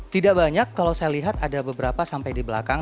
tidak banyak kalau saya lihat ada beberapa sampai di belakang